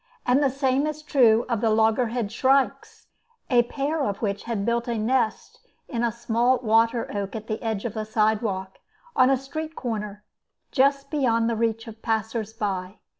And the same is true of the loggerhead shrikes, a pair of which had built a nest in a small water oak at the edge of the sidewalk, on a street corner, just beyond the reach of passers by.